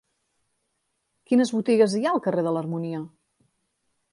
Quines botigues hi ha al carrer de l'Harmonia?